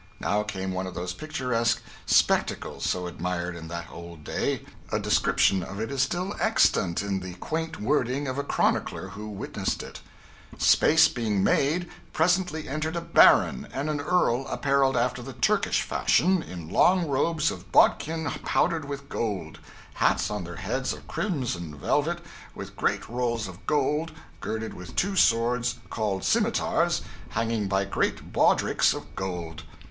Now came one of those picturesque spectacles so admired in that old day. A description of it is still extant in the quaint wording of a chronicler who witnessed it: 'Space being made, presently entered a baron and an earl appareled after the Turkish fashion in long robes of bawdkin powdered with gold; hats on their heads of crimson velvet, with great rolls of gold, girded with two swords, called scimitars, hanging by great bawdricks of gold.